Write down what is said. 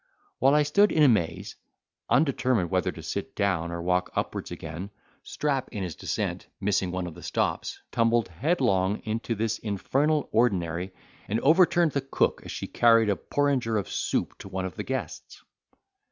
While I stood in amaze, undetermined whether to sit down or walk upwards again, Strap, in his descent, missing one of the stops, tumbled headlong into this infernal ordinary, and overturned the cook as she carried a porringer of soup to one of the guests.